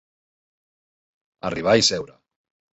Arribar i seure.